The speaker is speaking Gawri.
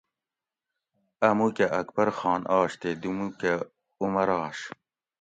اۤ مُوکۤہ اکبر خان آش تے دی مُوکۤہ عمر آش